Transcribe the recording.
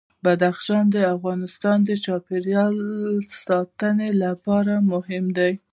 بدخشان د افغانستان د چاپیریال ساتنې لپاره مهم دي.